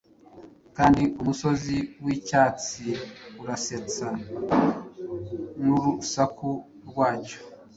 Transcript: Kandi umusozi wicyatsi urasetsa n urusaku rwacyo;